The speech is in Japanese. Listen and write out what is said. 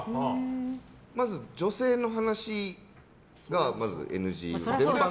まず女性の話がまずＮＧ。